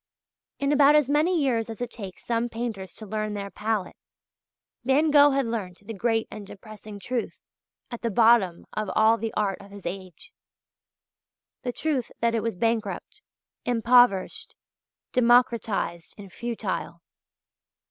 In about as many years as it takes some painters to learn their palette, Van Gogh had learnt the great and depressing truth at the bottom of all the art of his age the truth that it was bankrupt, impoverished, democratized, and futile.